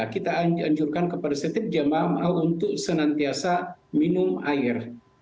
kita anjurkan kepada setiap jemaah untuk senantiasa minum air